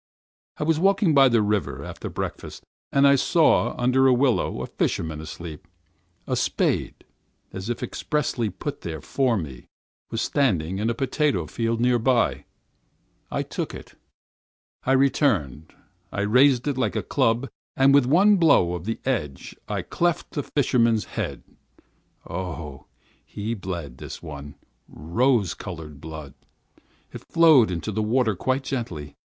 I was walking by the river, after breakfast. And I saw, under a willow, a fisherman asleep. It was noon. A spade was standing in a potato field near by, as if expressly, for me. I took it. I returned; I raised it like a club, and with one blow of the edge I cleft the fisherman's head. Oh! he bled, this one! Rose colored blood. It flowed into the water, quite gently.